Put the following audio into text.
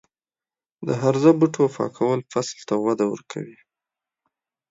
د هرزه بوټو پاکول فصل ته وده ورکوي.